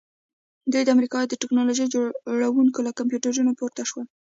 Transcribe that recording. دوی د امریکا د ټیکنالوژۍ جوړونکي له کمپیوټرونو پورته شول